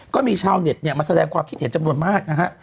ก็มีชาวเน็ตเนี่ยมาแสดงความคิดเห็นจำนวนมากนะฮะ